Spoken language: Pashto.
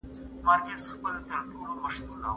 که موږ متحد پاتې سو دښمن به مو هیڅ ونه سي کړای.